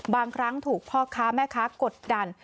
บางครั้งถูกพ่อค้าแม่ค้ากดดัน